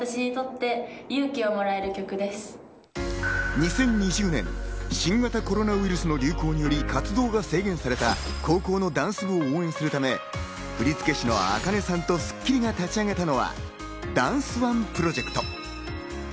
２０２０年、新型コロナウイルスの流行により活動が制限された高校のダンス部を応援するため、振付師のａｋａｎｅさんと『スッキリ』が立ち上げたのは、ダンスＯＮＥプロジェクト。